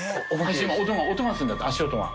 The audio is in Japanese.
音がするんだって足音が。